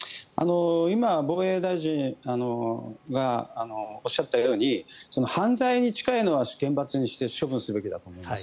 今、防衛大臣がおっしゃったように犯罪に近いのは厳罰にして処分すべきだと思います。